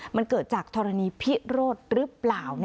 มันเกิดจากธรณีพิโรธหรือเปล่า